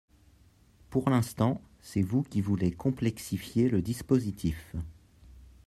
Pour l’instant, c’est vous qui voulez complexifier le dispositif